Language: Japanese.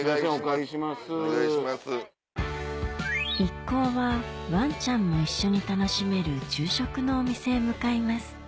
一行はワンちゃんも一緒に楽しめる昼食のお店へ向かいます